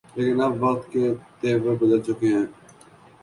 لیکن اب وقت کے تیور بدل چکے ہیں۔